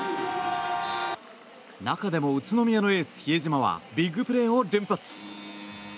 中でも宇都宮のエース、比江島はビッグプレーを連発。